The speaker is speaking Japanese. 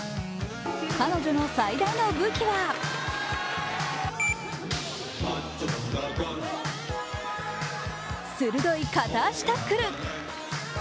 彼女の最大の武器は鋭い片足タックル。